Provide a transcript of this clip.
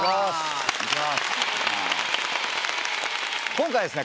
今回はですね